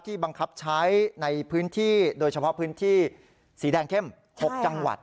บังคับใช้ในพื้นที่โดยเฉพาะพื้นที่สีแดงเข้ม๖จังหวัด